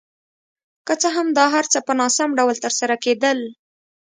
که څه هم دا هر څه په ناسم ډول ترسره کېدل.